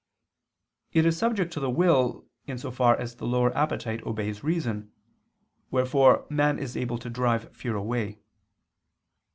It is subject to the will, in so far as the lower appetite obeys reason; wherefore man is able to drive fear away.